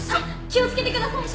気をつけてください。